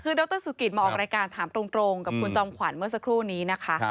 คือดรสุกิตมาออกรายการถามตรงกับคุณจอมขวัญเมื่อสักครู่นี้นะคะ